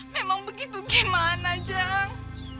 memang begitu gimana jang